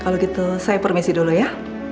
kalau gitu saya permisi dulu ya